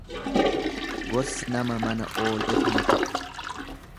Gorsi nama mana ooleef hin ta'u.